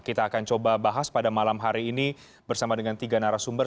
kita akan coba bahas pada malam hari ini bersama dengan tiga narasumber